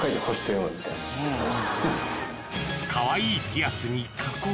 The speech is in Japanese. かわいいピアスに加工